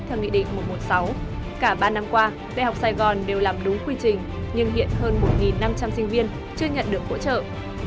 theo nghị định một trăm một mươi sáu cả ba năm qua đại học sài gòn đều làm đúng quy trình nhưng hiện hơn một năm trăm linh sinh viên chưa nhận được hỗ trợ